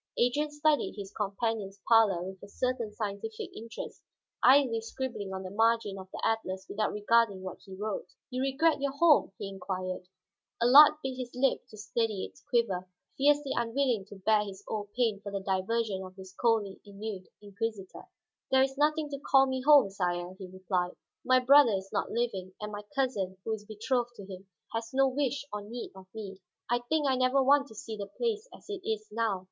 Adrian studied his companion's pallor with a certain scientific interest, idly scribbling on the margin of the atlas without regarding what he wrote. "You regret your home?" he inquired. Allard bit his lip to steady its quiver, fiercely unwilling to bare his old pain for the diversion of this coldly ennuied inquisitor. "There is nothing to call me home, sire," he replied. "My brother is not living, and my cousin, who was betrothed to him, has no wish or need of me. I think I never want to see the place as it is now.